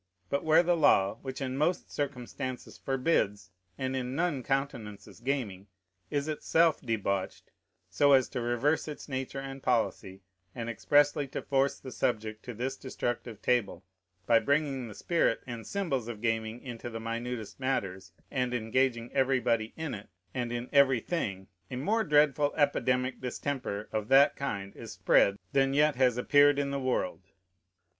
But where the law, which in most circumstances forbids, and in none countenances gaming, is itself debauched, so as to reverse its nature and policy, and expressly to force the subject to this destructive table, by bringing the spirit and symbols of gaming into the minutest matters, and engaging everybody in it, and in everything, a more dreadful epidemic distemper of that kind is spread than yet has appeared in the world.